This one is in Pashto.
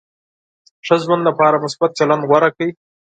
ښه ژوند لپاره مثبت چلند غوره کړئ.